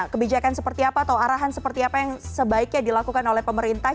kebijakan seperti apa atau arahan seperti apa yang sebaiknya dilakukan oleh pemerintah